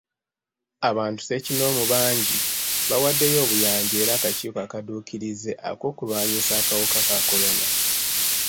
Abantu ssekinnoomu bangi bawaddeyo obuyambi eri akakiiko akadduukirize ak'okulwanyisa akawuka ka kolona.